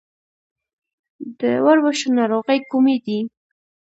د وربشو ناروغۍ کومې دي؟